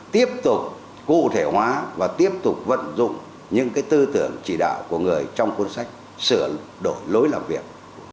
tiếp tục cụ thể hóa và tiếp tục vận dụng những tư tưởng chỉ đạo của người trong cuốn sách sửa đổi lối làm việc